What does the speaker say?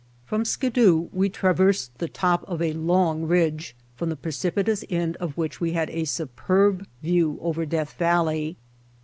From Skidoo we traversed the top of a long ridge from the precipitous end of which we had a superb view over Death Valley.